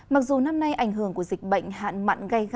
mặc dù năm nay ảnh hưởng của dịch bệnh hạn mặn gây ra